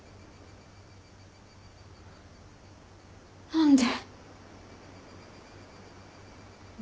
何で？